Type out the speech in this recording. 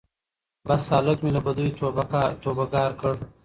بس هلک مي له بدیو توبه ګار کړ